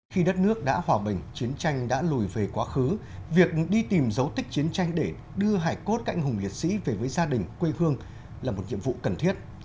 khi đất nước đã hòa bình chiến tranh đã lùi về quá khứ việc đi tìm dấu tích chiến tranh để đưa hải cốt cạnh hùng liệt sĩ về với gia đình quê hương là một nhiệm vụ cần thiết